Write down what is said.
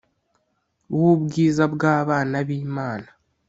W ubwiza bw abana b imana